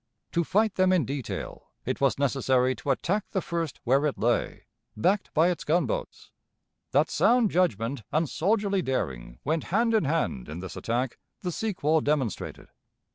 To fight them in detail, it was necessary to attack the first where it lay, backed by its gunboats. That sound judgment and soldierly daring went hand in hand in this attack the sequel demonstrated.